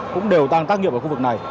cũng đều đang tác nghiệp ở khu vực này